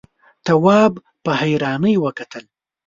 تواب په حيرانۍ وکتل.